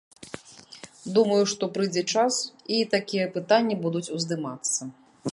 Думаю, што прыйдзе час, і такія пытанні будуць уздымацца.